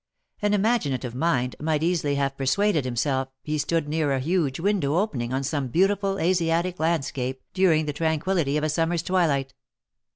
An imaginative mind might easily have persuaded himself he stood near a huge window opening on some beautiful Asiatic landscape during the tranquillity of a summer's twilight.